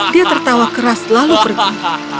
dia tertawa keras lalu pergi